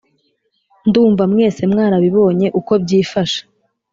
Ndumva mwese mwarabibonye uko byifashe